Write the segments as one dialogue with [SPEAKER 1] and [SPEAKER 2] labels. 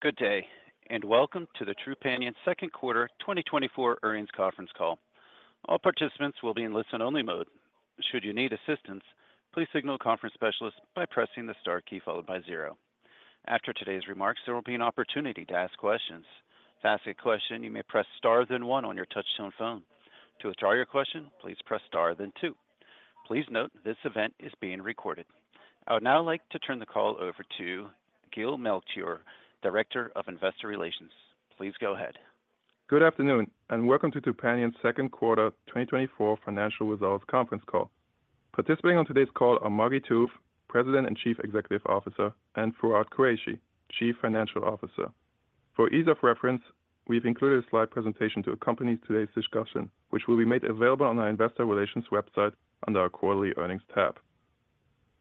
[SPEAKER 1] Good day, and welcome to the Trupanion second quarter 2024 earnings conference call. All participants will be in listen-only mode. Should you need assistance, please signal a conference specialist by pressing the star key followed by zero. After today's remarks, there will be an opportunity to ask questions. To ask a question, you may press star, then one on your touchtone phone. To withdraw your question, please press star, then two. Please note, this event is being recorded. I would now like to turn the call over to Gil Melchior, Director of Investor Relations. Please go ahead.
[SPEAKER 2] Good afternoon, and welcome to Trupanion's second quarter 2024 financial results conference call. Participating on today's call are Margi Tooth, President and Chief Executive Officer, and Fawwad Qureshi, Chief Financial Officer. For ease of reference, we've included a slide presentation to accompany today's discussion, which will be made available on our investor relations website under our Quarterly Earnings tab.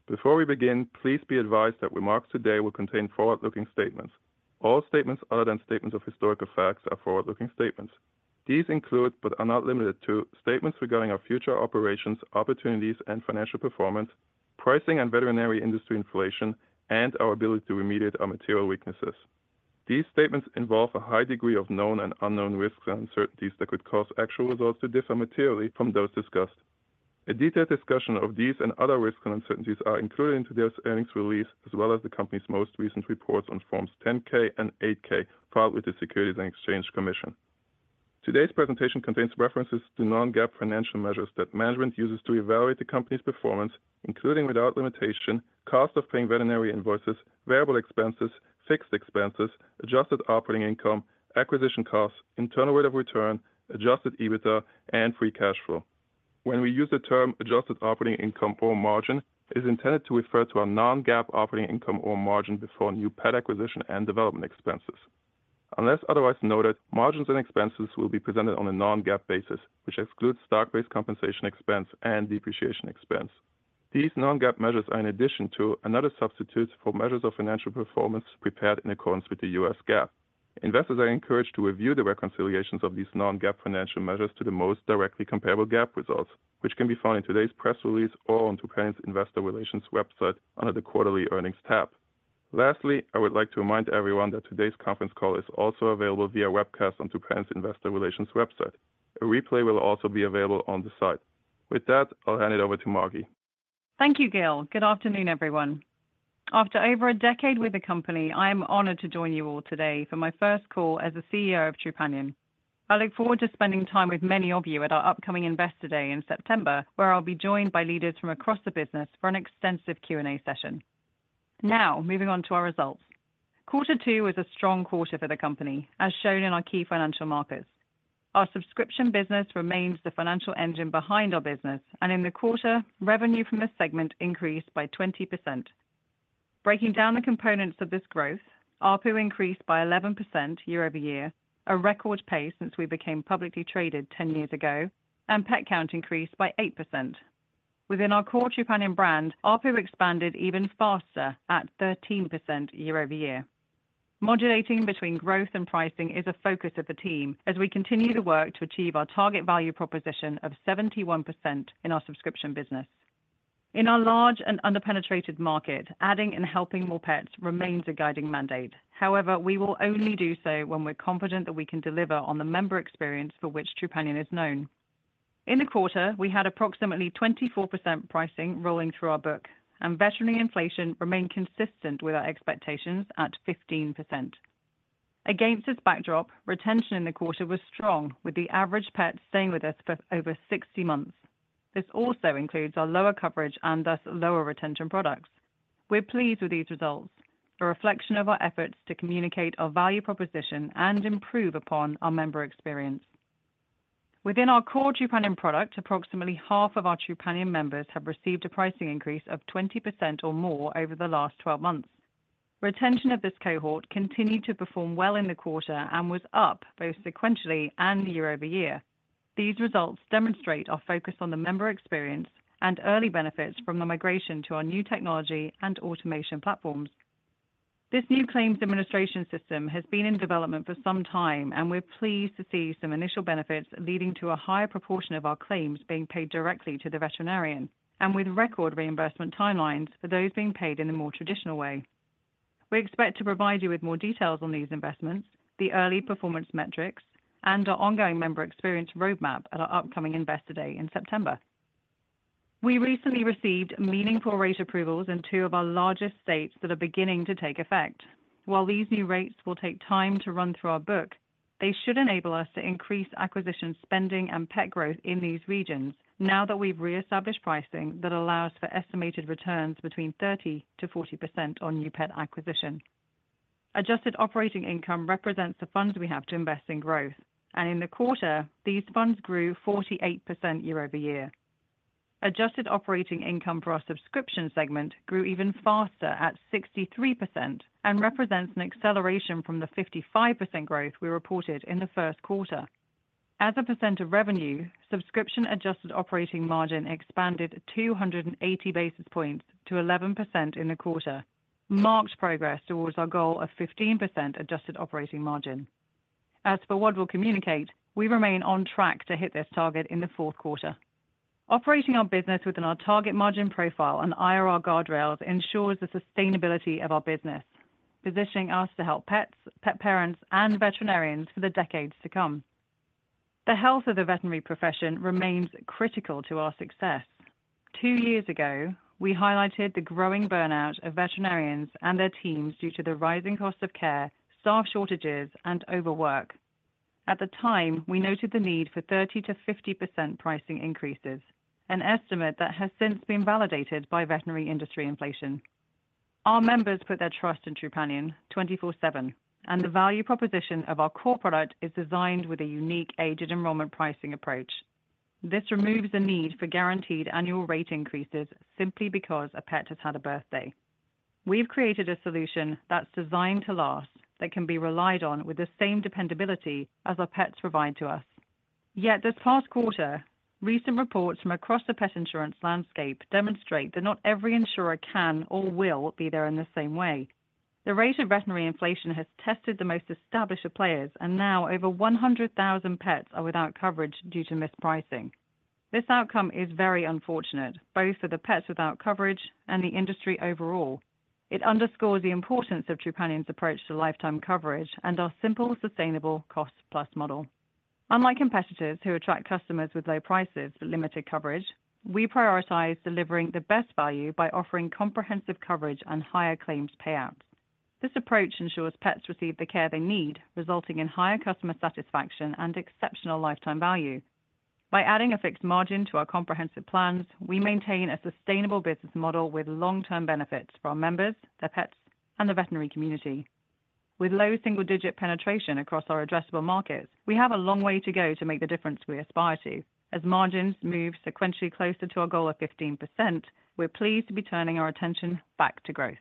[SPEAKER 2] Before we begin, please be advised that remarks today will contain forward-looking statements. All statements other than statements of historical facts are forward-looking statements. These include, but are not limited to, statements regarding our future operations, opportunities and financial performance, pricing and veterinary industry inflation, and our ability to remediate our material weaknesses. These statements involve a high degree of known and unknown risks and uncertainties that could cause actual results to differ materially from those discussed. A detailed discussion of these and other risks and uncertainties are included in today's earnings release, as well as the company's most recent reports on Forms 10-K and 8-K, filed with the Securities and Exchange Commission. Today's presentation contains references to non-GAAP financial measures that management uses to evaluate the company's performance, including without limitation, cost of paying veterinary invoices, variable expenses, fixed expenses, adjusted operating income, acquisition costs, internal rate of return, adjusted EBITDA, and free cash flow. When we use the term adjusted operating income or margin, it is intended to refer to our non-GAAP operating income or margin before new pet acquisition and development expenses. Unless otherwise noted, margins and expenses will be presented on a non-GAAP basis, which excludes stock-based compensation expense and depreciation expense. These non-GAAP measures are in addition to, and not a substitute for, measures of financial performance prepared in accordance with the U.S. GAAP. Investors are encouraged to review the reconciliations of these non-GAAP financial measures to the most directly comparable GAAP results, which can be found in today's press release or on Trupanion's Investor Relations website under the Quarterly Earnings tab. Lastly, I would like to remind everyone that today's conference call is also available via webcast on Trupanion's Investor Relations website. A replay will also be available on the site. With that, I'll hand it over to Margi.
[SPEAKER 3] Thank you, Gil. Good afternoon, everyone. After over a decade with the company, I am honored to join you all today for my first call as the CEO of Trupanion. I look forward to spending time with many of you at our upcoming Investor Day in September, where I'll be joined by leaders from across the business for an extensive Q&A session. Now, moving on to our results. Quarter two was a strong quarter for the company, as shown in our key financial metrics. Our subscription business remains the financial engine behind our business, and in the quarter, revenue from this segment increased by 20%. Breaking down the components of this growth, ARPU increased by 11% year-over-year, a record pace since we became publicly traded 10 years ago, and pet count increased by 8%. Within our core Trupanion brand, ARPU expanded even faster at 13% year over year. Modulating between growth and pricing is a focus of the team as we continue to work to achieve our target value proposition of 71% in our subscription business. In our large and underpenetrated market, adding and helping more pets remains a guiding mandate. However, we will only do so when we're confident that we can deliver on the member experience for which Trupanion is known. In the quarter, we had approximately 24% pricing rolling through our book, and veterinary inflation remained consistent with our expectations at 15%. Against this backdrop, retention in the quarter was strong, with the average pet staying with us for over 60 months. This also includes our lower coverage and thus lower retention products. We're pleased with these results, a reflection of our efforts to communicate our value proposition and improve upon our member experience. Within our core Trupanion product, approximately half of our Trupanion members have received a pricing increase of 20% or more over the last 12 months. Retention of this cohort continued to perform well in the quarter and was up both sequentially and year-over-year. These results demonstrate our focus on the member experience and early benefits from the migration to our new technology and automation platforms. This new claims administration system has been in development for some time, and we're pleased to see some initial benefits leading to a higher proportion of our claims being paid directly to the veterinarian and with record reimbursement timelines for those being paid in a more traditional way. We expect to provide you with more details on these investments, the early performance metrics, and our ongoing member experience roadmap at our upcoming Investor Day in September. We recently received meaningful rate approvals in two of our largest states that are beginning to take effect. While these new rates will take time to run through our book, they should enable us to increase acquisition, spending, and pet growth in these regions now that we've reestablished pricing that allows for estimated returns between 30%-40% on new pet acquisition. Adjusted operating income represents the funds we have to invest in growth, and in the quarter, these funds grew 48% year-over-year. Adjusted operating income for our subscription segment grew even faster at 63% and represents an acceleration from the 55% growth we reported in the first quarter. As a percent of revenue, subscription adjusted operating margin expanded 280 basis points to 11% in the quarter, marked progress towards our goal of 15% adjusted operating margin. As for what we'll communicate, we remain on track to hit this target in the fourth quarter. Operating our business within our target margin profile and IRR guardrails ensures the sustainability of our business, positioning us to help pets, pet parents, and veterinarians for the decades to come. The health of the veterinary profession remains critical to our success. Two years ago, we highlighted the growing burnout of veterinarians and their teams due to the rising cost of care, staff shortages, and overwork. At the time, we noted the need for 30%-50% pricing increases, an estimate that has since been validated by veterinary industry inflation. Our members put their trust in Trupanion 24/7, and the value proposition of our core product is designed with a unique aged enrollment pricing approach. This removes the need for guaranteed annual rate increases simply because a pet has had a birthday. We've created a solution that's designed to last, that can be relied on with the same dependability as our pets provide to us. Yet this past quarter, recent reports from across the pet insurance landscape demonstrate that not every insurer can or will be there in the same way. The rate of veterinary inflation has tested the most established of players, and now over 100,000 pets are without coverage due to mispricing. This outcome is very unfortunate, both for the pets without coverage and the industry overall. It underscores the importance of Trupanion's approach to lifetime coverage and our simple, sustainable cost-plus model. Unlike competitors who attract customers with low prices but limited coverage, we prioritize delivering the best value by offering comprehensive coverage and higher claims payouts. This approach ensures pets receive the care they need, resulting in higher customer satisfaction and exceptional lifetime value. By adding a fixed margin to our comprehensive plans, we maintain a sustainable business model with long-term benefits for our members, their pets, and the veterinary community. With low single-digit penetration across our addressable markets, we have a long way to go to make the difference we aspire to. As margins move sequentially closer to our goal of 15%, we're pleased to be turning our attention back to growth.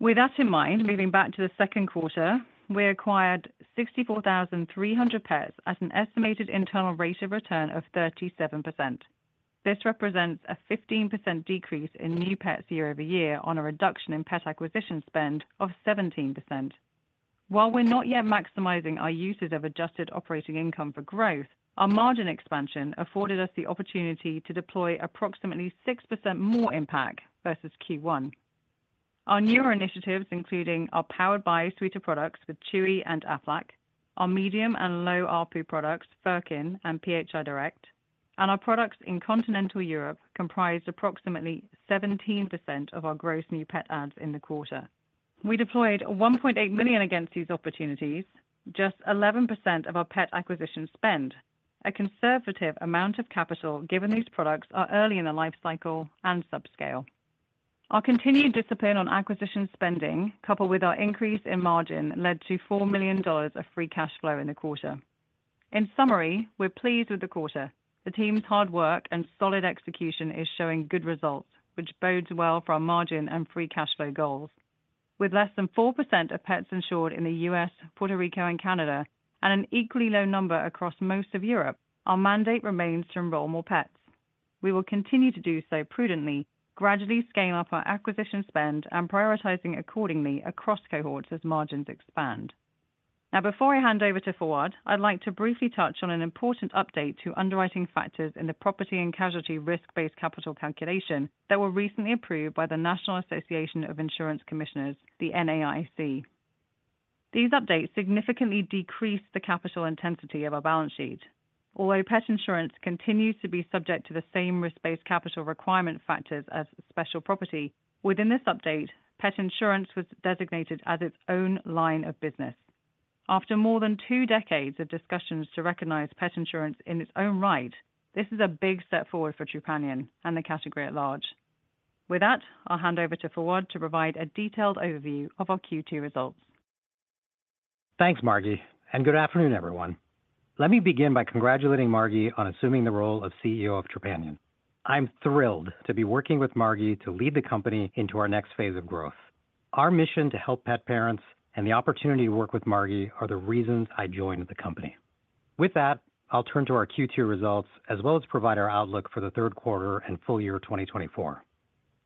[SPEAKER 3] With that in mind, moving back to the second quarter, we acquired 64,300 pets at an estimated internal rate of return of 37%. This represents a 15% decrease in new pets year-over-year on a reduction in pet acquisition spend of 17%. While we're not yet maximizing our usage of adjusted operating income for growth, our margin expansion afforded us the opportunity to deploy approximately 6% more impact versus Q1. Our newer initiatives, including our powered by suite of products with Chewy and Aflac, our medium and low ARPU products, Furkin and PHI Direct, and our products in Continental Europe, comprised approximately 17% of our gross new pet adds in the quarter. We deployed $1.8 million against these opportunities, just 11% of our pet acquisition spend, a conservative amount of capital, given these products are early in their lifecycle and subscale. Our continued discipline on acquisition spending, coupled with our increase in margin, led to $4 million of free cash flow in the quarter. In summary, we're pleased with the quarter. The team's hard work and solid execution is showing good results, which bodes well for our margin and free cash flow goals. With less than 4% of pets insured in the U.S., Puerto Rico, and Canada, and an equally low number across most of Europe, our mandate remains to enroll more pets. We will continue to do so prudently, gradually scaling up our acquisition spend and prioritizing accordingly across cohorts as margins expand. Now, before I hand over to Fawwad, I'd like to briefly touch on an important update to underwriting factors in the property and casualty risk-based capital calculation that were recently approved by the National Association of Insurance Commissioners, the NAIC. These updates significantly decrease the capital intensity of our balance sheet. Although pet insurance continues to be subject to the same risk-based capital requirement factors as special property, within this update, pet insurance was designated as its own line of business. After more than two decades of discussions to recognize pet insurance in its own right, this is a big step forward for Trupanion and the category at large. With that, I'll hand over to Fawwad to provide a detailed overview of our Q2 results.
[SPEAKER 4] Thanks, Margi, and good afternoon, everyone. Let me begin by congratulating Margi on assuming the role of CEO of Trupanion. I'm thrilled to be working with Margi to lead the company into our next phase of growth. Our mission to help pet parents and the opportunity to work with Margi are the reasons I joined the company. With that, I'll turn to our Q2 results, as well as provide our outlook for the third quarter and full year 2024.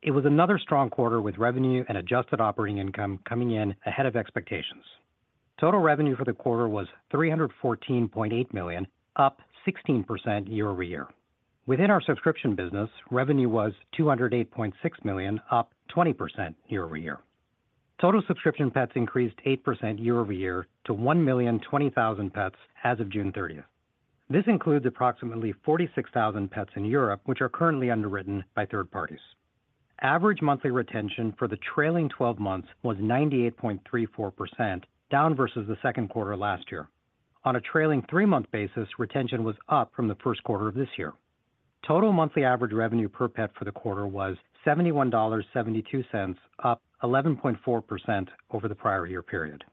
[SPEAKER 4] It was another strong quarter, with revenue and adjusted operating income coming in ahead of expectations. Total revenue for the quarter was $314.8 million, up 16% year-over-year. Within our subscription business, revenue was $208.6 million, up 20% year-over-year. Total subscription pets increased 8% year-over-year to 1,020,000 pets as of June thirtieth. This includes approximately 46,000 pets in Europe, which are currently underwritten by third parties. Average monthly retention for the trailing twelve months was 98.34%, down versus the second quarter last year. On a trailing three-month basis, retention was up from the first quarter of this year. Total monthly average revenue per pet for the quarter was $71.72, up 11.4% over the prior year period.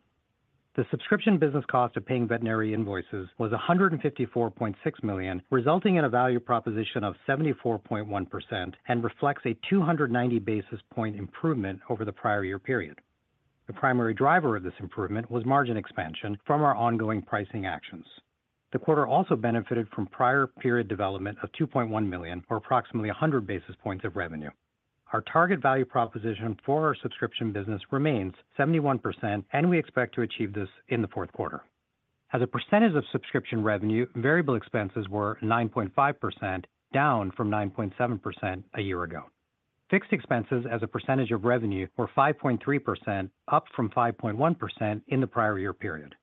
[SPEAKER 4] The subscription business cost of paying veterinary invoices was $154.6 million, resulting in a value proposition of 74.1% and reflects a 290 basis point improvement over the prior year period. The primary driver of this improvement was margin expansion from our ongoing pricing actions. The quarter also benefited from prior period development of $2.1 million, or approximately 100 basis points of revenue. Our target value proposition for our subscription business remains 71%, and we expect to achieve this in the fourth quarter as a percentage of subscription revenue, variable expenses were 9.5%, down from 9.7% a year ago. Fixed expenses as a percentage of revenue were 5.3%, up from 5.1% in the prior year period.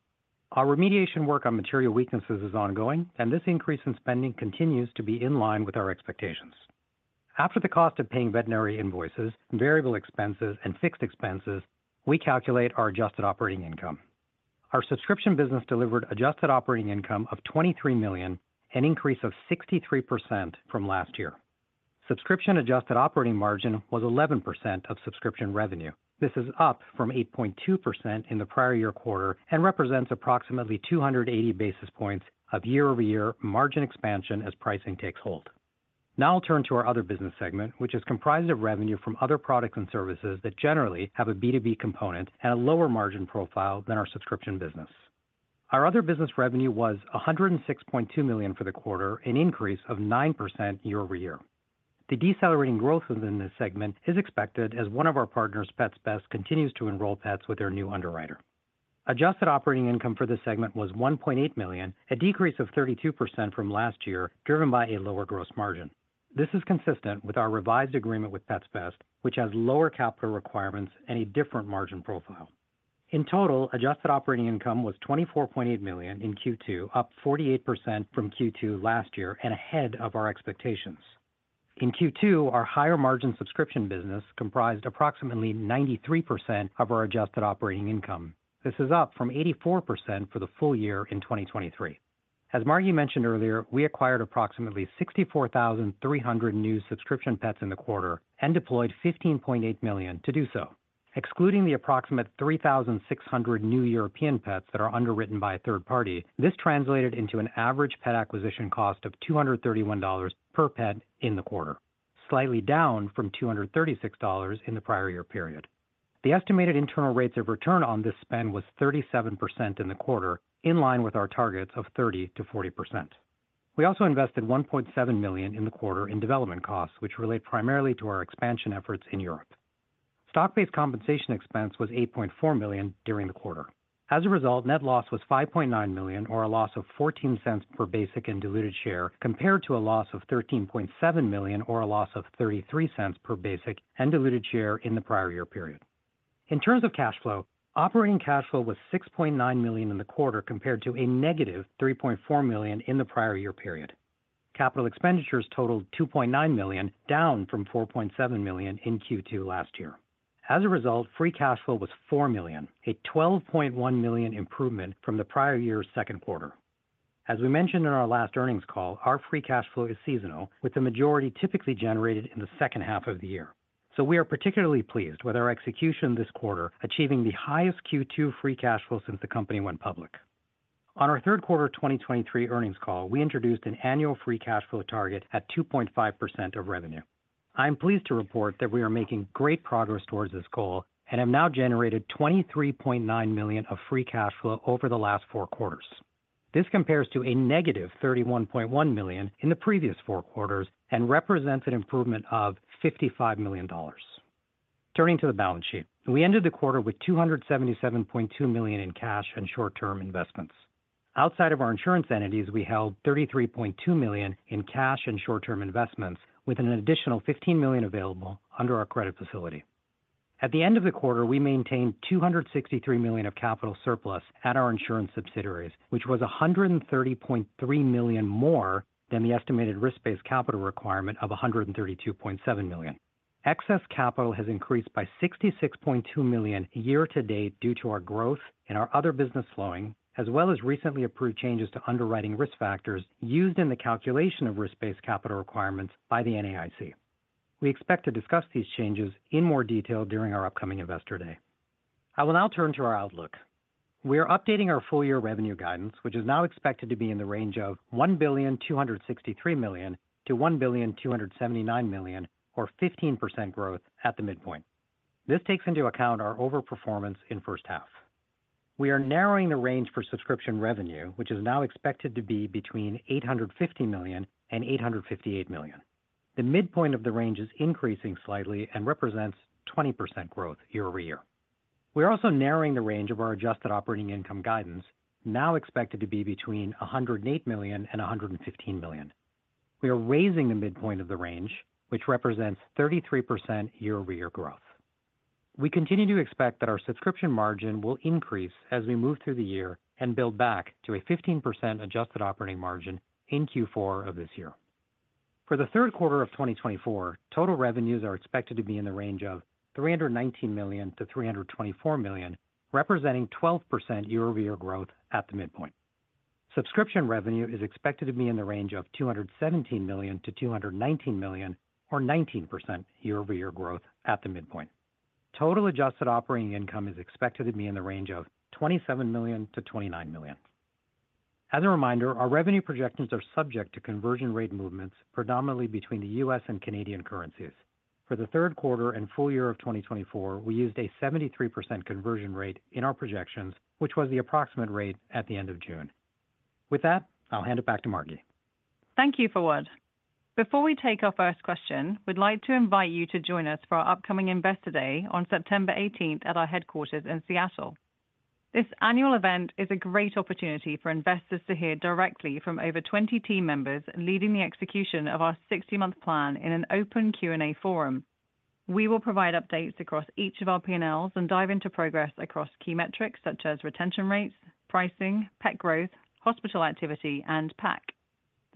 [SPEAKER 4] Our remediation work on material weaknesses is ongoing, and this increase in spending continues to be in line with our expectations. After the cost of paying veterinary invoices, variable expenses, and fixed expenses, we calculate our adjusted operating income. Our subscription business delivered adjusted operating income of $23 million, an increase of 63% from last year. Subscription adjusted operating margin was 11% of subscription revenue. This is up from 8.2% in the prior year quarter, and represents approximately 280 basis points of year-over-year margin expansion as pricing takes hold. Now I'll turn to our other business segment, which is comprised of revenue from other products and services that generally have a B2B component and a lower margin profile than our subscription business. Our other business revenue was $106.2 million for the quarter, an increase of 9% year-over-year. The decelerating growth within this segment is expected as one of our partners, Pets Best, continues to enroll pets with their new underwriter. Adjusted operating income for this segment was $1.8 million, a decrease of 32% from last year, driven by a lower gross margin. This is consistent with our revised agreement with Pets Best, which has lower capital requirements and a different margin profile. In total, adjusted operating income was $24.8 million in Q2, up 48% from Q2 last year, and ahead of our expectations. In Q2, our higher margin subscription business comprised approximately 93% of our adjusted operating income. This is up from 84% for the full year in 2023. As Margi mentioned earlier, we acquired approximately 64,300 new subscription pets in the quarter and deployed $15.8 million to do so. Excluding the approximate 3,600 new European pets that are underwritten by a third party, this translated into an average pet acquisition cost of $231 per pet in the quarter, slightly down from $236 in the prior year period. The estimated internal rates of return on this spend was 37% in the quarter, in line with our targets of 30%-40%. We also invested $1.7 million in the quarter in development costs, which relate primarily to our expansion efforts in Europe. Stock-based compensation expense was $8.4 million during the quarter. As a result, net loss was $5.9 million, or a loss of $0.14 per basic and diluted share, compared to a loss of $13.7 million, or a loss of $0.33 per basic and diluted share in the prior year period. In terms of cash flow, operating cash flow was $6.9 million in the quarter, compared to a -$3.4 million in the prior year period. Capital expenditures totaled $2.9 million, down from $4.7 million in Q2 last year. As a result, free cash flow was $4 million, a $12.1 million improvement from the prior year's second quarter. As we mentioned in our last earnings call, our free cash flow is seasonal, with the majority typically generated in the second half of the year. So we are particularly pleased with our execution this quarter, achieving the highest Q2 free cash flow since the company went public. On our third quarter 2023 earnings call, we introduced an annual free cash flow target at 2.5% of revenue. I am pleased to report that we are making great progress towards this goal and have now generated $23.9 million of free cash flow over the last four quarters. This compares to a -$31.1 million in the previous four quarters and represents an improvement of $55 million. Turning to the balance sheet. We ended the quarter with $277.2 million in cash and short-term investments. Outside of our insurance entities, we held $33.2 million in cash and short-term investments, with an additional $15 million available under our credit facility. At the end of the quarter, we maintained $263 million of capital surplus at our insurance subsidiaries, which was $130.3 million more than the estimated risk-based capital requirement of $132.7 million. Excess capital has increased by $66.2 million year to date, due to our growth and our other business flowing, as well as recently approved changes to underwriting risk factors used in the calculation of risk-based capital requirements by the NAIC. We expect to discuss these changes in more detail during our upcoming Investor Day. I will now turn to our outlook. We are updating our full year revenue guidance, which is now expected to be in the range of $1,263 million-$1,279 million, or 15% growth at the midpoint. This takes into account our overperformance in first half. We are narrowing the range for subscription revenue, which is now expected to be between $850 million and $858 million. The midpoint of the range is increasing slightly and represents 20% growth year-over-year. We are also narrowing the range of our adjusted operating income guidance, now expected to be between $108 million and $115 million. We are raising the midpoint of the range, which represents 33% year-over-year growth. We continue to expect that our subscription margin will increase as we move through the year and build back to a 15% adjusted operating margin in Q4 of this year. For the third quarter of 2024, total revenues are expected to be in the range of $319 million-$324 million, representing 12% year-over-year growth at the midpoint. Subscription revenue is expected to be in the range of $217 million-$219 million, or 19% year-over-year growth at the midpoint. Total adjusted operating income is expected to be in the range of $27 million-$29 million. As a reminder, our revenue projections are subject to conversion rate movements, predominantly between the U.S. and Canadian currencies. For the third quarter and full year of 2024, we used a 73% conversion rate in our projections, which was the approximate rate at the end of June. With that, I'll hand it back to Margi.
[SPEAKER 3] Thank you, Fawwad. Before we take our first question, we'd like to invite you to join us for our upcoming Investor Day on September eighteenth, at our headquarters in Seattle. This annual event is a great opportunity for investors to hear directly from over 20 team members leading the execution of our 60-month plan in an open Q&A forum. We will provide updates across each of our P&Ls and dive into progress across key metrics, such as retention rates, pricing, pet growth, hospital activity, and PAC. The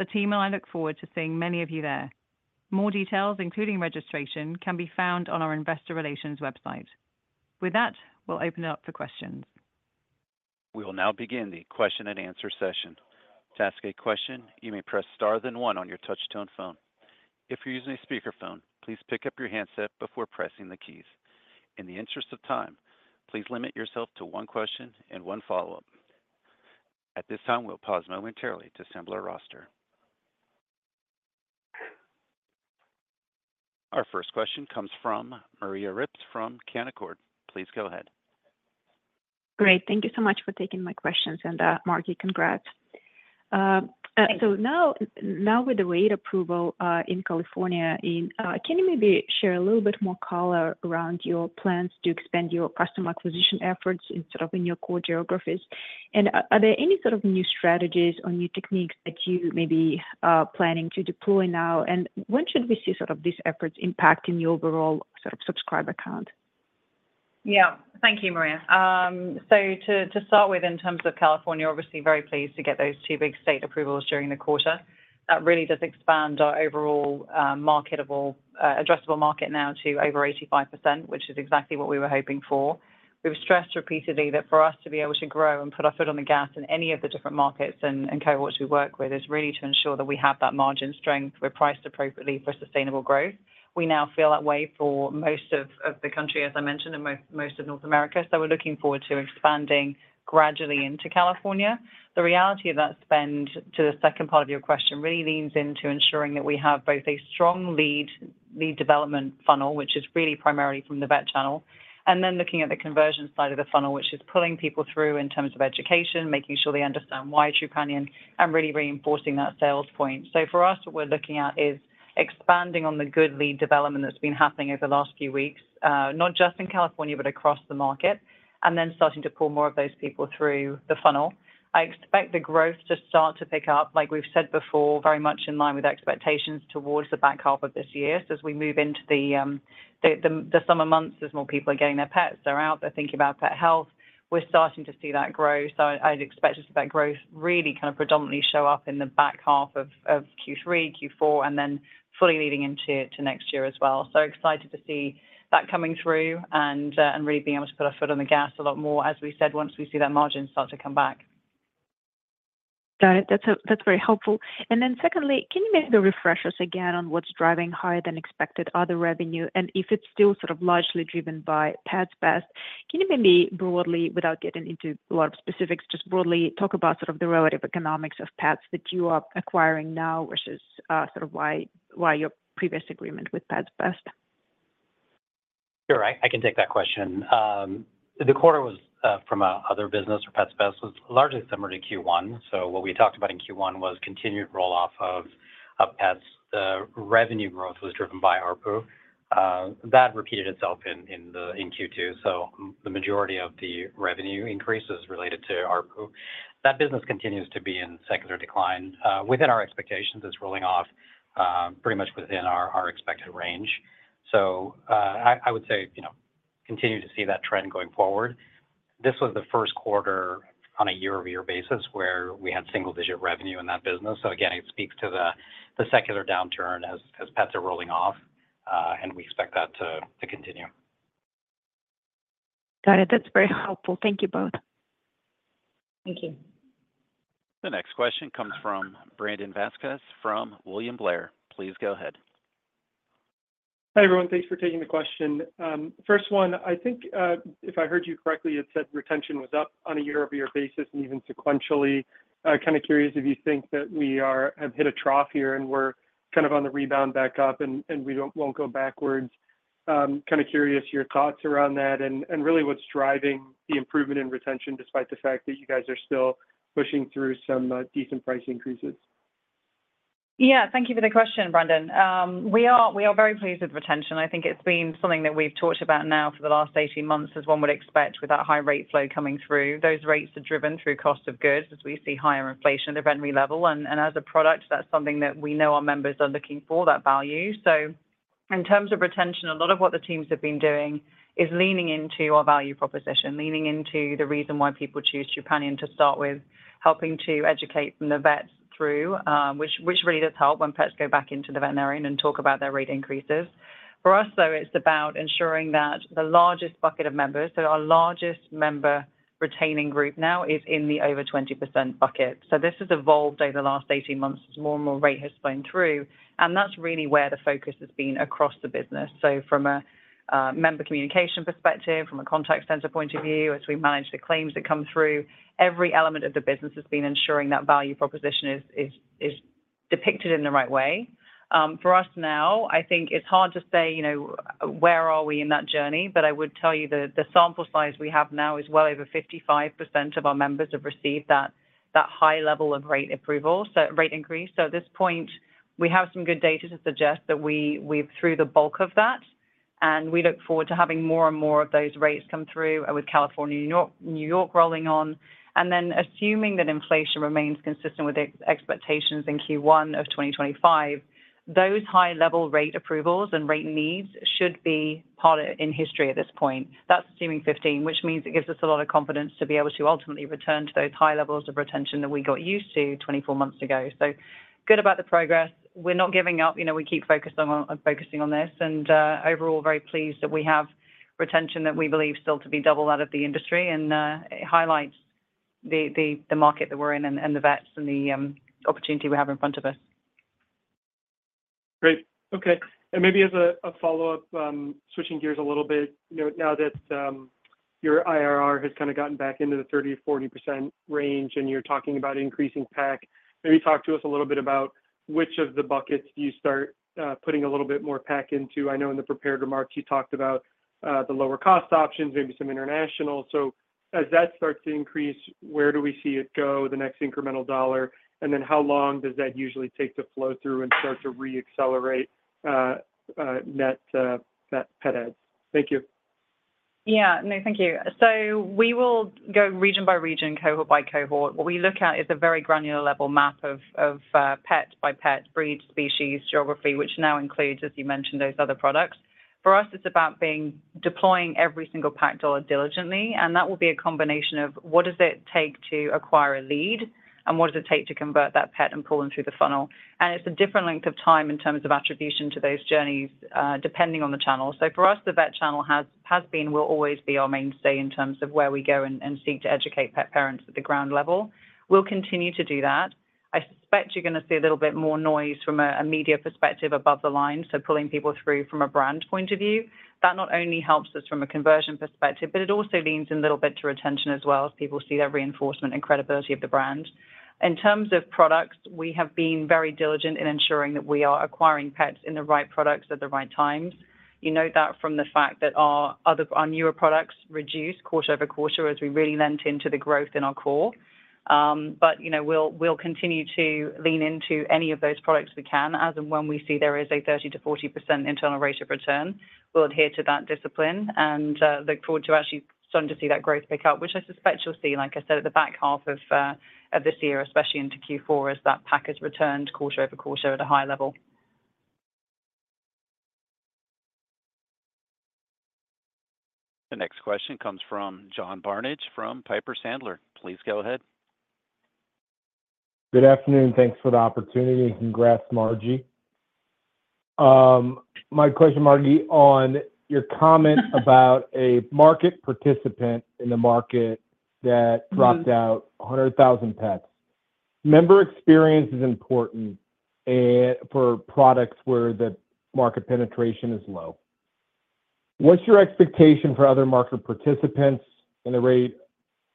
[SPEAKER 3] team and I look forward to seeing many of you there. More details, including registration, can be found on our investor relations website. With that, we'll open it up for questions.
[SPEAKER 1] We will now begin the question and answer session. To ask a question, you may press star then one on your touchtone phone. If you're using a speakerphone, please pick up your handset before pressing the keys. In the interest of time, please limit yourself to one question and one follow-up. At this time, we'll pause momentarily to assemble our roster. Our first question comes from Maria Ripps from Canaccord. Please go ahead.
[SPEAKER 5] Great, thank you so much for taking my questions, and, Margi, congrats.
[SPEAKER 3] Thanks.
[SPEAKER 5] So now, now with the rate approval in California, can you maybe share a little bit more color around your plans to expand your customer acquisition efforts instead of in your core geographies? And are there any sort of new strategies or new techniques that you may be planning to deploy now? And when should we see sort of these efforts impacting the overall sort of subscriber count?
[SPEAKER 3] Yeah. Thank you, Maria. So to start with, in terms of California, obviously very pleased to get those two big state approvals during the quarter. That really does expand our overall, marketable, addressable market now to over 85%, which is exactly what we were hoping for. We've stressed repeatedly that for us to be able to grow and put our foot on the gas in any of the different markets and cohorts we work with, is really to ensure that we have that margin strength. We're priced appropriately for sustainable growth. We now feel that way for most of the country, as I mentioned, and most of North America, so we're looking forward to expanding gradually into California. The reality of that spend, to the second part of your question, really leans into ensuring that we have both a strong lead, lead development funnel, which is really primarily from the vet channel, and then looking at the conversion side of the funnel, which is pulling people through in terms of education, making sure they understand why Trupanion, and really reinforcing that sales point. So for us, what we're looking at is expanding on the good lead development that's been happening over the last few weeks, not just in California, but across the market, and then starting to pull more of those people through the funnel. I expect the growth to start to pick up, like we've said before, very much in line with expectations towards the back half of this year. So as we move into the summer months, as more people are getting their pets, they're out, they're thinking about pet health, we're starting to see that growth. So I'd expect to see that growth really kind of predominantly show up in the back half of Q3, Q4, and then fully leading into next year as well. So excited to see that coming through and really being able to put our foot on the gas a lot more, as we said, once we see that margin start to come back.
[SPEAKER 5] Got it. That's, that's very helpful. And then secondly, can you maybe refresh us again on what's driving higher than expected other revenue, and if it's still sort of largely driven by Pets Best? Can you maybe broadly, without getting into a lot of specifics, just broadly talk about sort of the relative economics of pets that you are acquiring now versus, sort of why, why your previous agreement with Pets Best?
[SPEAKER 4] Sure, I can take that question. The quarter was from another business, our Pets Best, was largely similar to Q1. So what we talked about in Q1 was continued roll-off of Pets Best. The revenue growth was driven by ARPU. That repeated itself in Q2, so the majority of the revenue increase is related to ARPU. That business continues to be in secular decline. Within our expectations, it's rolling off pretty much within our expected range. So, I would say, you know, continue to see that trend going forward. This was the first quarter on a year-over-year basis, where we had single-digit revenue in that business, so again, it speaks to the secular downturn as Pets Best are rolling off, and we expect that to continue.
[SPEAKER 5] Got it. That's very helpful. Thank you both.
[SPEAKER 3] Thank you.
[SPEAKER 1] The next question comes from Brandon Vazquez, from William Blair. Please go ahead.
[SPEAKER 6] Hi, everyone. Thanks for taking the question. First one, I think, if I heard you correctly, you said retention was up on a year-over-year basis, and even sequentially. Kind of curious if you think that we have hit a trough here, and we're kind of on the rebound back up, and we won't go backwards. Kind of curious your thoughts around that, and really what's driving the improvement in retention, despite the fact that you guys are still pushing through some decent price increases.
[SPEAKER 3] Yeah, thank you for the question, Brandon. We are very pleased with retention. I think it's been something that we've talked about now for the last 18 months, as one would expect with that high rate flow coming through. Those rates are driven through cost of goods, as we see higher inflation at the revenue level. And as a product, that's something that we know our members are looking for, that value. So in terms of retention, a lot of what the teams have been doing is leaning into our value proposition, leaning into the reason why people choose Trupanion to start with. Helping to educate from the vets through, which really does help when pets go back into the veterinarian and talk about their rate increases. For us, though, it's about ensuring that the largest bucket of members. So our largest member retaining group now is in the over 20% bucket. So this has evolved over the last 18 months as more and more rate has gone through, and that's really where the focus has been across the business. So from a member communication perspective, from a contact center point of view, as we manage the claims that come through, every element of the business has been ensuring that value proposition is depicted in the right way. For us now, I think it's hard to say, you know, where are we in that journey, but I would tell you that the sample size we have now is well over 55% of our members have received that high level of rate approval, so rate increase. So at this point, we have some good data to suggest that we're through the bulk of that, and we look forward to having more and more of those rates come through with California and New York, New York rolling on. And then assuming that inflation remains consistent with expectations in Q1 of 2025, those high-level rate approvals and rate needs should be a part of history at this point. That's assuming 15, which means it gives us a lot of confidence to be able to ultimately return to those high levels of retention that we got used to 24 months ago. So good about the progress. We're not giving up. You know, we keep focusing on this, and overall, very pleased that we have retention that we believe still to be double that of the industry, and it highlights the market that we're in and the vets and the opportunity we have in front of us.
[SPEAKER 6] Great. Okay, and maybe as a follow-up, switching gears a little bit, you know, now that your IRR has kinda gotten back into the 30%-40% range, and you're talking about increasing PAC, maybe talk to us a little bit about which of the buckets do you start putting a little bit more PAC into. I know in the prepared remarks, you talked about the lower-cost options, maybe some international. So as that starts to increase, where do we see it go, the next incremental dollar? And then how long does that usually take to flow through and start to re-accelerate net pet adds? Thank you.
[SPEAKER 3] Yeah. No, thank you. So we will go region by region, cohort by cohort. What we look at is a very granular level map of pet by pet, breed, species, geography, which now includes, as you mentioned, those other products. For us, it's about being deploying every single PAC dollar diligently, and that will be a combination of what does it take to acquire a lead, and what does it take to convert that pet and pull them through the funnel? And it's a different length of time in terms of attribution to those journeys, depending on the channel. So for us, the vet channel has been, will always be our mainstay in terms of where we go and seek to educate pet parents at the ground level. We'll continue to do that. I suspect you're gonna see a little bit more noise from a media perspective above the line, so pulling people through from a brand point of view. That not only helps us from a conversion perspective, but it also leans in a little bit to retention as well as people see that reinforcement and credibility of the brand. In terms of products, we have been very diligent in ensuring that we are acquiring pets in the right products at the right times. You know that from the fact that our newer products reduce quarter-over-quarter as we really lean into the growth in our core. But, you know, we'll continue to lean into any of those products we can, as and when we see there is a 30%-40% internal rate of return, we'll adhere to that discipline and look forward to actually starting to see that growth pick up, which I suspect you'll see, like I said, at the back half of this year, especially into Q4, as that PAC has returned quarter-over-quarter at a high level.
[SPEAKER 1] The next question comes from John Barnidge, from Piper Sandler. Please go ahead.
[SPEAKER 7] Good afternoon. Thanks for the opportunity. Congrats, Margi. My question, Margi, on your comment about a market participant in the market that dropped out 100,000 pets. Member experience is important for products where the market penetration is low. What's your expectation for other market participants in the rate-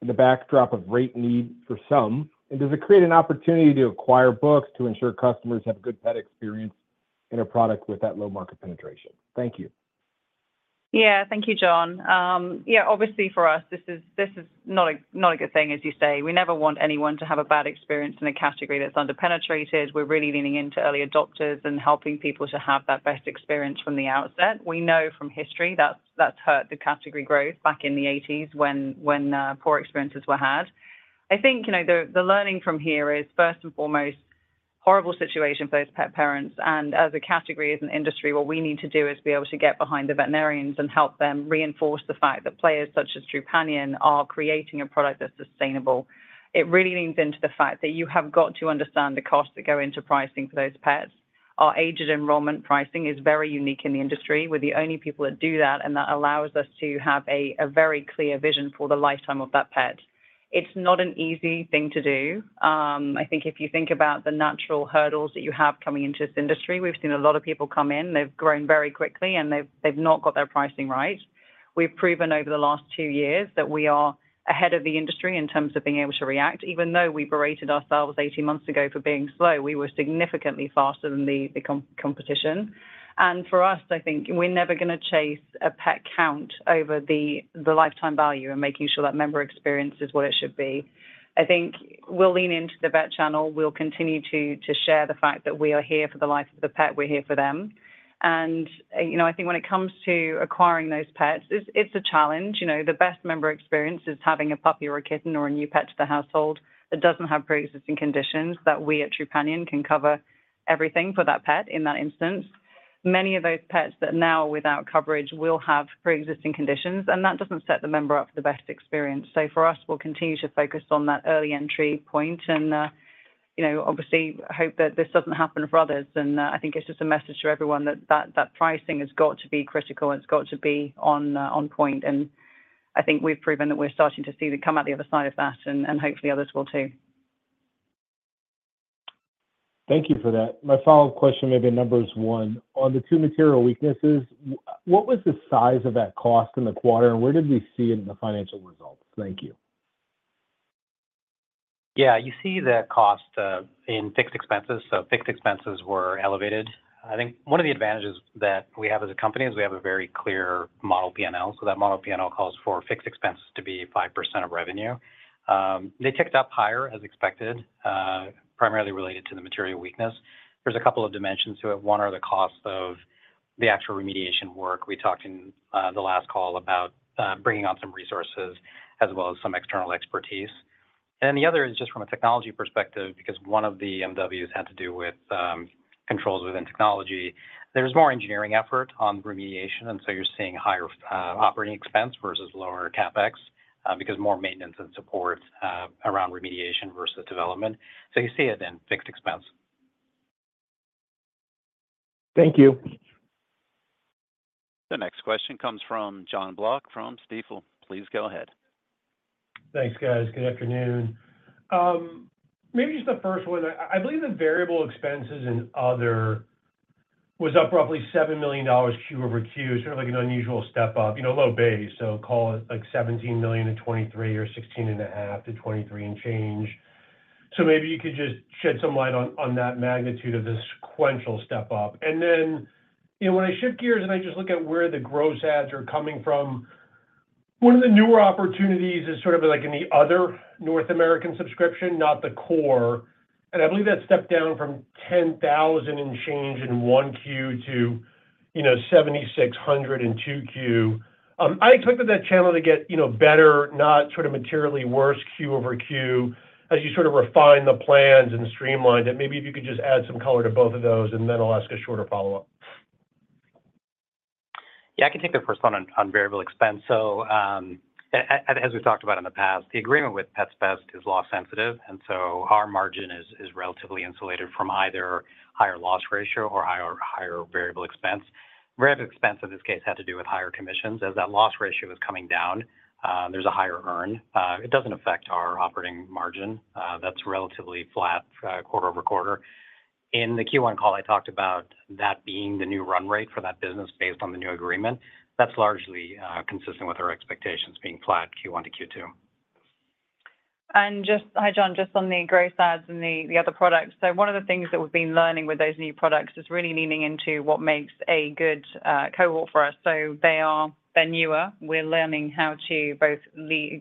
[SPEAKER 7] in the backdrop of rate need for some, and does it create an opportunity to acquire books to ensure customers have good pet experience in a product with that low market penetration? Thank you.
[SPEAKER 3] Yeah. Thank you, John. Yeah, obviously for us, this is, this is not a, not a good thing, as you say. We never want anyone to have a bad experience in a category that's under-penetrated. We're really leaning into early adopters and helping people to have that best experience from the outset. We know from history, that's, that's hurt the category growth back in the '80s, when, when, poor experiences were had. I think, you know, the, the learning from here is, first and foremost, horrible situation for those pet parents, and as a category, as an industry, what we need to do is be able to get behind the veterinarians and help them reinforce the fact that players such as Trupanion are creating a product that's sustainable. It really leans into the fact that you have got to understand the costs that go into pricing for those pets. Our aged enrollment pricing is very unique in the industry. We're the only people that do that, and that allows us to have a very clear vision for the lifetime of that pet. It's not an easy thing to do. I think if you think about the natural hurdles that you have coming into this industry, we've seen a lot of people come in, they've grown very quickly, and they've not got their pricing right. We've proven over the last two years that we are ahead of the industry in terms of being able to react. Even though we berated ourselves 18 months ago for being slow, we were significantly faster than the competition. For us, I think we're never gonna chase a pet count over the lifetime value and making sure that member experience is what it should be. I think we'll lean into the vet channel. We'll continue to share the fact that we are here for the life of the pet. We're here for them. And, you know, I think when it comes to acquiring those pets, it's a challenge. You know, the best member experience is having a puppy or a kitten or a new pet to the household that doesn't have pre-existing conditions, that we at Trupanion can cover everything for that pet in that instance. Many of those pets that are now without coverage will have pre-existing conditions, and that doesn't set the member up for the best experience. So for us, we'll continue to focus on that early entry point and, you know, obviously, hope that this doesn't happen for others. And, I think it's just a message to everyone that pricing has got to be critical, and it's got to be on point. And I think we've proven that we're starting to see the come out the other side of that, and hopefully, others will too.
[SPEAKER 7] Thank you for that. My follow-up question may be number one. On the two material weaknesses, what was the size of that cost in the quarter, and where did we see it in the financial results? Thank you.
[SPEAKER 4] Yeah, you see the cost in fixed expenses. So fixed expenses were elevated. I think one of the advantages that we have as a company is we have a very clear model PNL. So that model PNL calls for fixed expenses to be 5% of revenue. They ticked up higher as expected, primarily related to the material weakness. There's a couple of dimensions to it. One are the costs of the actual remediation work. We talked in the last call about bringing on some resources, as well as some external expertise. And the other is just from a technology perspective, because one of the MWs had to do with controls within technology. There's more engineering effort on remediation, and so you're seeing higher operating expense versus lower CapEx, because more maintenance and support around remediation versus development. You see it in fixed expenses.
[SPEAKER 7] Thank you.
[SPEAKER 1] The next question comes from Jon Block from Stifel. Please go ahead.
[SPEAKER 8] Thanks, guys. Good afternoon. Maybe just the first one. I believe the variable expenses and other was up roughly $7 million Q over Q, sort of like an unusual step-up, you know, a low base. So call it, like, $17 million and twenty-three or $16.5 million-$23 million and change. So maybe you could just shed some light on that magnitude of this sequential step up. And then, you know, when I shift gears, and I just look at where the gross adds are coming from, one of the newer opportunities is sort of like in the other North American subscription, not the core, and I believe that stepped down from 10,000 and change in 1Q to, you know, 7,600 in 2Q. I expected that channel to get, you know, better, not sort of materially worse, Q-over-Q, as you sort of refine the plans and streamline. Then maybe if you could just add some color to both of those, and then I'll ask a shorter follow-up.
[SPEAKER 4] Yeah, I can take the first one on variable expense. So, as we've talked about in the past, the agreement with Pets Best is loss sensitive, and so our margin is relatively insulated from either higher loss ratio or higher variable expense. Variable expense, in this case, had to do with higher commissions. As that loss ratio is coming down, there's a higher earn. It doesn't affect our operating margin. That's relatively flat, quarter over quarter. In the Q1 call, I talked about that being the new run rate for that business based on the new agreement. That's largely consistent with our expectations being flat, Q1 to Q2.
[SPEAKER 3] Hi, Jon, just on the growth adds and the other products. So one of the things that we've been learning with those new products is really leaning into what makes a good cohort for us. So they're newer. We're learning how to both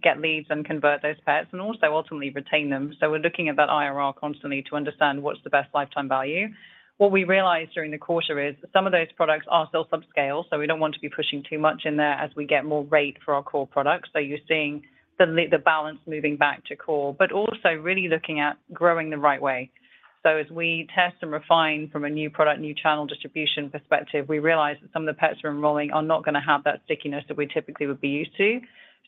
[SPEAKER 3] get leads and convert those pets, and also ultimately retain them. So we're looking at that IRR constantly to understand what's the best lifetime value. What we realized during the quarter is, some of those products are still subscale, so we don't want to be pushing too much in there as we get more rate for our core products. So you're seeing the balance moving back to core, but also really looking at growing the right way. So as we test and refine from a new product, new channel distribution perspective, we realize that some of the pets we're enrolling are not gonna have that stickiness that we typically would be used to.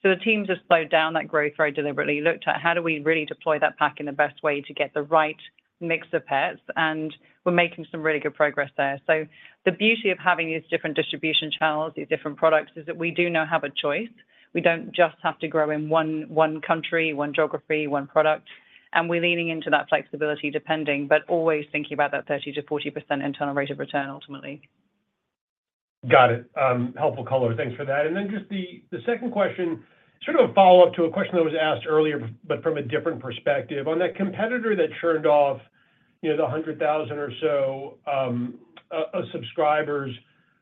[SPEAKER 3] So the teams have slowed down that growth very deliberately, looked at how do we really deploy that PAC in the best way to get the right mix of pets, and we're making some really good progress there. So the beauty of having these different distribution channels, these different products, is that we do now have a choice. We don't just have to grow in one, one country, one geography, one product, and we're leaning into that flexibility, depending, but always thinking about that 30%-40% internal rate of return ultimately.
[SPEAKER 8] Got it. Helpful color. Thanks for that. And then just the second question, sort of a follow-up to a question that was asked earlier, but from a different perspective. On that competitor that churned off, you know, the 100,000 or so subscribers,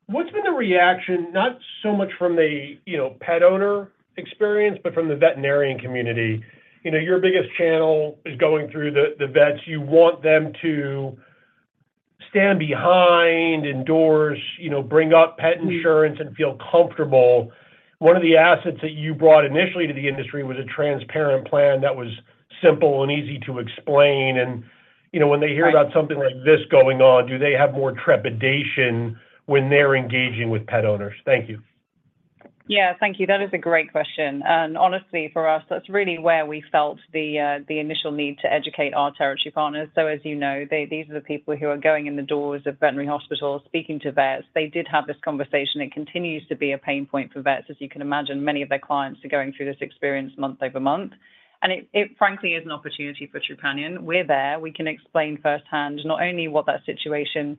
[SPEAKER 8] what's been the reaction, not so much from the, you know, pet owner experience, but from the veterinarian community? You know, your biggest channel is going through the vets. You want them to stand behind, endorse, you know, bring up pet insurance and feel comfortable. One of the assets that you brought initially to the industry was a transparent plan that was simple and easy to explain, and, you know, when they hear about something like this going on, do they have more trepidation when they're engaging with pet owners? Thank you.
[SPEAKER 3] Yeah, thank you. That is a great question. And honestly, for us, that's really where we felt the initial need to educate our territory partners. So as you know, these are the people who are going in the doors of veterinary hospitals, speaking to vets. They did have this conversation. It continues to be a pain point for vets. As you can imagine, many of their clients are going through this experience month-over-month, and it frankly is an opportunity for Trupanion. We're there. We can explain firsthand not only what that situation,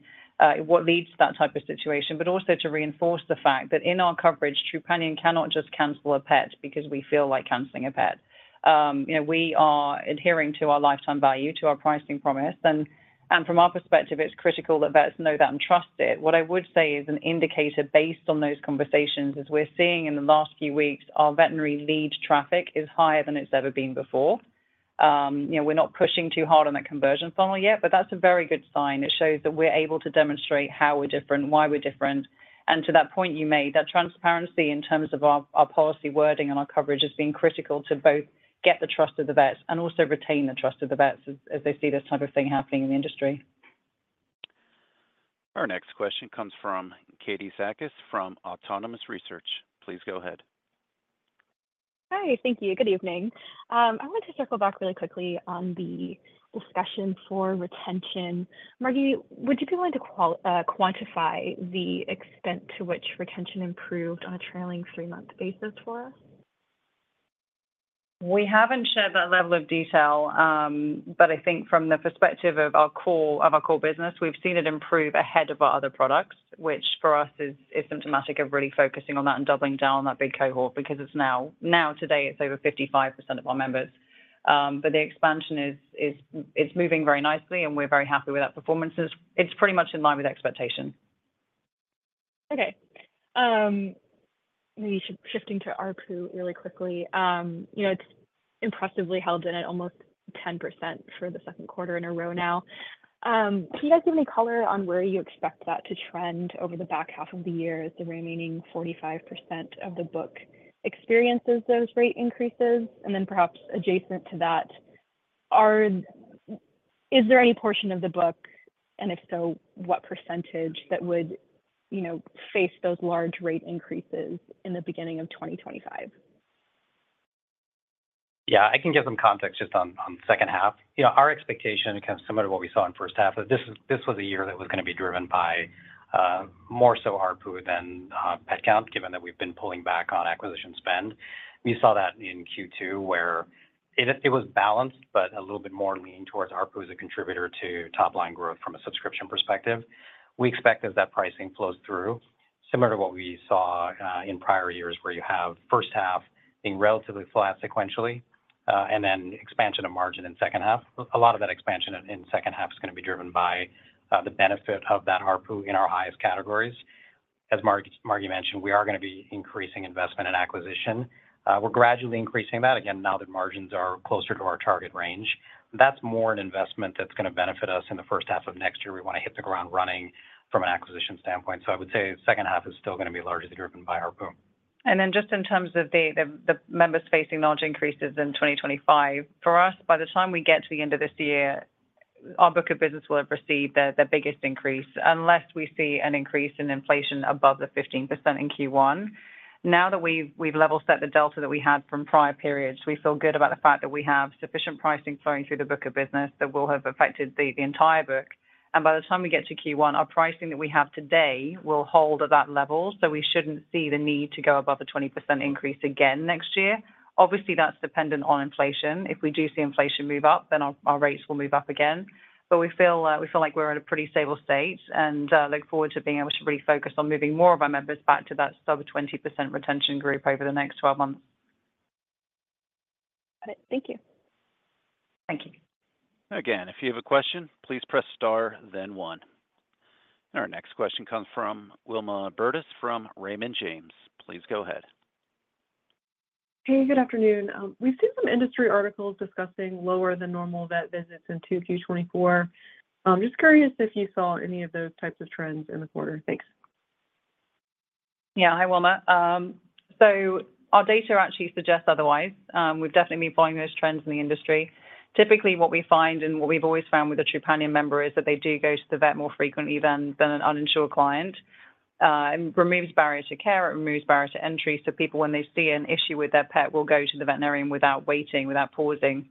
[SPEAKER 3] what leads to that type of situation, but also to reinforce the fact that in our coverage, Trupanion cannot just cancel a pet because we feel like canceling a pet. You know, we are adhering to our lifetime value, to our pricing promise, and, and from our perspective, it's critical that vets know that and trust it. What I would say is an indicator based on those conversations, is we're seeing in the last few weeks, our veterinary lead traffic is higher than it's ever been before. You know, we're not pushing too hard on that conversion funnel yet, but that's a very good sign. It shows that we're able to demonstrate how we're different, why we're different. And to that point you made, that transparency in terms of our, our policy wording and our coverage as being critical to both get the trust of the vets and also retain the trust of the vets as, as they see this type of thing happening in the industry.
[SPEAKER 1] Our next question comes from Katie Sakys from Autonomous Research. Please go ahead.
[SPEAKER 9] Hi, thank you. Good evening. I want to circle back really quickly on the discussion for retention. Margi, would you be willing to quantify the extent to which retention improved on a trailing three-month basis for us?
[SPEAKER 3] We haven't shared that level of detail, but I think from the perspective of our core, of our core business, we've seen it improve ahead of our other products, which for us is symptomatic of really focusing on that and doubling down on that big cohort because it's now today it's over 55% of our members. But the expansion is. It's moving very nicely, and we're very happy with that performance. It's pretty much in line with expectations.
[SPEAKER 9] Okay. Maybe shifting to ARPU really quickly. You know, it's impressively held in at almost 10% for the second quarter in a row now. Can you guys give me color on where you expect that to trend over the back half of the year as the remaining 45% of the book experiences those rate increases? And then perhaps adjacent to that, is there any portion of the book, and if so, what percentage that would, you know, face those large rate increases in the beginning of 2025?
[SPEAKER 4] Yeah, I can give some context just on second half. You know, our expectation, kind of similar to what we saw in first half, that this is, this was a year that was gonna be driven by more so ARPU than pet counts, given that we've been pulling back on acquisition spend. We saw that in Q2, where it was balanced, but a little bit more leaning towards ARPU as a contributor to top-line growth from a subscription perspective. We expect as that pricing flows through, similar to what we saw in prior years, where you have first half being relatively flat sequentially, and then expansion of margin in second half. A lot of that expansion in second half is gonna be driven by the benefit of that ARPU in our highest categories. As Margi mentioned, we are gonna be increasing investment and acquisition. We're gradually increasing that again, now that margins are closer to our target range. That's more an investment that's gonna benefit us in the first half of next year. We wanna hit the ground running from an acquisition standpoint. So I would say second half is still gonna be largely driven by ARPU.
[SPEAKER 3] Just in terms of the members facing large increases in 2025, for us, by the time we get to the end of this year, our book of business will have received the biggest increase, unless we see an increase in inflation above the 15% in Q1. Now that we've level set the delta that we had from prior periods, we feel good about the fact that we have sufficient pricing flowing through the book of business that will have affected the entire book. By the time we get to Q1, our pricing that we have today will hold at that level, so we shouldn't see the need to go above the 20% increase again next year. Obviously, that's dependent on inflation. If we do see inflation move up, then our rates will move up again. But we feel, we feel like we're at a pretty stable state and look forward to being able to really focus on moving more of our members back to that sub-20% retention group over the next twelve months.
[SPEAKER 9] Got it. Thank you.
[SPEAKER 3] Thank you.
[SPEAKER 1] Again, if you have a question, please press star then one. Our next question comes from Wilma Burdis from Raymond James. Please go ahead.
[SPEAKER 10] Hey, good afternoon. We've seen some industry articles discussing lower than normal vet visits in 2Q 2024. Just curious if you saw any of those types of trends in the quarter. Thanks.
[SPEAKER 3] Yeah. Hi, Wilma. So our data actually suggests otherwise. We've definitely been following those trends in the industry. Typically, what we find and what we've always found with the Trupanion member is that they do go to the vet more frequently than an uninsured client. It removes barriers to care, it removes barriers to entry, so people, when they see an issue with their pet, will go to the veterinarian without waiting, without pausing.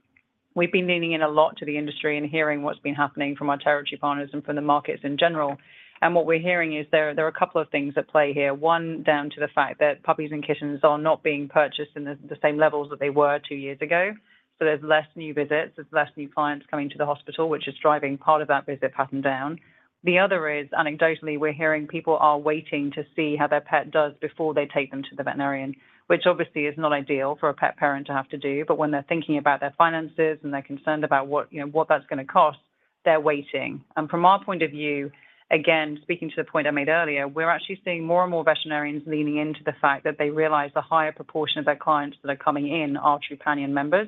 [SPEAKER 3] We've been leaning in a lot to the industry and hearing what's been happening from our territory partners and from the markets in general. And what we're hearing is there are a couple of things at play here. One, down to the fact that puppies and kittens are not being purchased in the same levels that they were two years ago. So there's less new visits, there's less new clients coming to the hospital, which is driving part of that visit pattern down. The other is, anecdotally, we're hearing people are waiting to see how their pet does before they take them to the veterinarian, which obviously is not ideal for a pet parent to have to do. But when they're thinking about their finances and they're concerned about what, you know, what that's gonna cost, they're waiting. And from our point of view, again, speaking to the point I made earlier, we're actually seeing more and more veterinarians leaning into the fact that they realize the higher proportion of their clients that are coming in are Trupanion members.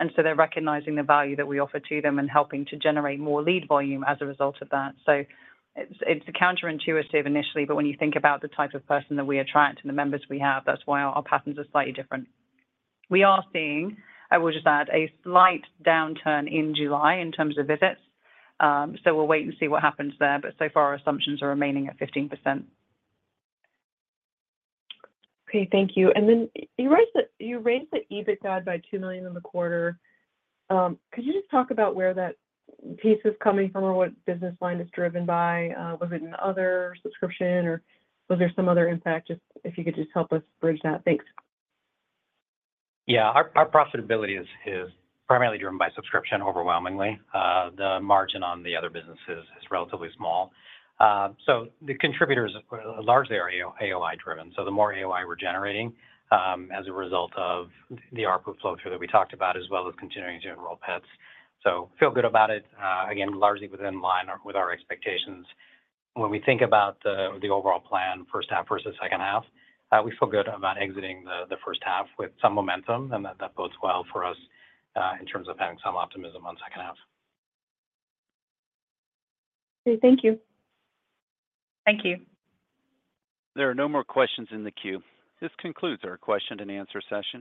[SPEAKER 3] And so they're recognizing the value that we offer to them and helping to generate more lead volume as a result of that. So it's, it's counterintuitive initially, but when you think about the type of person that we attract and the members we have, that's why our patterns are slightly different. We are seeing, I would just add, a slight downturn in July in terms of visits. So we'll wait and see what happens there, but so far, our assumptions are remaining at 15%.
[SPEAKER 10] Okay, thank you. And then you raised the EBIT guide by $2 million in the quarter. Could you just talk about where that piece is coming from or what business line it's driven by? Was it in other subscription, or was there some other impact? Just if you could just help us bridge that. Thanks.
[SPEAKER 4] Yeah. Our profitability is primarily driven by subscription overwhelmingly. The margin on the other businesses is relatively small. So the contributors are largely AOI driven. So the more AOI we're generating, as a result of the ARPU flow through that we talked about, as well as continuing to enroll pets. So feel good about it, again, largely within line with our expectations. When we think about the overall plan, first half versus second half, we feel good about exiting the first half with some momentum, and that bodes well for us, in terms of having some optimism on second half.
[SPEAKER 10] Okay. Thank you.
[SPEAKER 3] Thank you.
[SPEAKER 1] There are no more questions in the queue. This concludes our question and answer session.